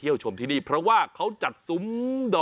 สุดยอดน้ำมันเครื่องจากญี่ปุ่น